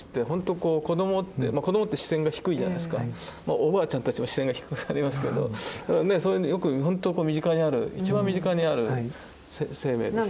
おばあちゃんたちも視線が低くなりますけどそういうのをよく本当身近にある一番身近にある生命ですよね。